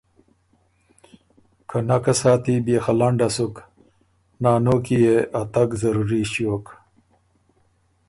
که نکه ساتی بيې خه لنډه سُک نانو کی يې ا تګ ضروري ݭیوک